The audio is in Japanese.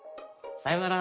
さようなら！